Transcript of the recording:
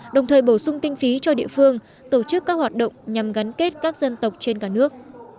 đồng thời bổ sung kinh phí cho địa phương tổ chức các hoạt động nhằm gắn kết các dân tộc trên cả nước